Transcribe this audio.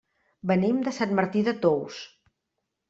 Venim de Sant Martí de Tous.